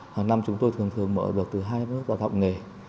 hàng năm chúng tôi thường thường mở được từ hai lớp đào tạo nghề